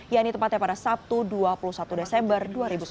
yang ditempatnya pada sabtu dua puluh satu desember dua ribu sembilan belas